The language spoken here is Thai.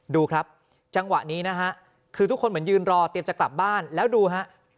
ดูครับจังหวะนี้นะฮะคือทุกคนเหมือนยืนรอเตรียมจะกลับบ้านแล้วดูฮะ